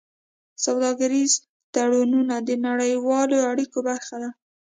سوداګریز تړونونه د نړیوالو اړیکو برخه ده.